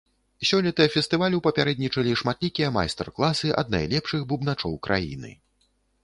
Сёлета фестывалю папярэднічалі шматлікія майстар-класы ад найлепшых бубначоў краіны.